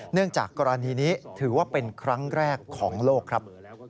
จากกรณีนี้ถือว่าเป็นครั้งแรกของโลกครับ